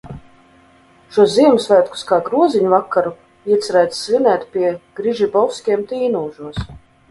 Šos Ziemassvētkus kā groziņ vakaru iecerēts svinēt pie Grižibovskiem Tīnūžos.